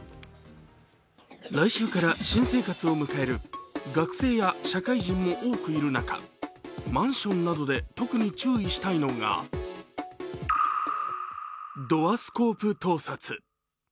来週から新生活を迎える学生や社会人も多くいる中、マンションなどで特に注意したいのが、ドアスコープ盗撮。